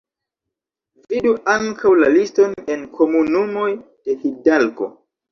Vidu ankaŭ la liston en komunumoj de Hidalgo.